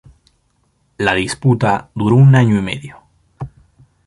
La disputa duró un año y medio.